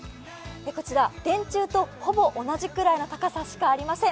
こちら、電柱とほぼ同じくらいの高さしかありません。